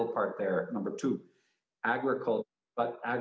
jika anda pergi ke bagian tengah